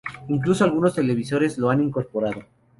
Incluso algunos televisores lo han incorporado.